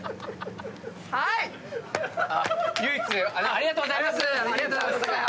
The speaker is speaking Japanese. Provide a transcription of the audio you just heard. ありがとうございます。